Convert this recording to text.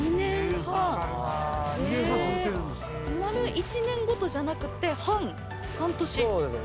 丸１年ごとじゃなくって半年？